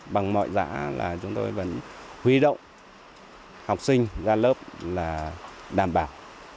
bằng mọi giá là chúng tôi vẫn huy động học sinh ra lớp là đảm bảo